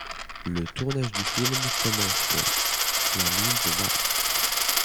Le tournage du film commence le sur l'île de Malte.